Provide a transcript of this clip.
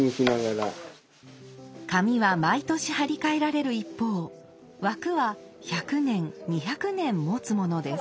紙は毎年貼り替えられる一方枠は１００年２００年もつものです。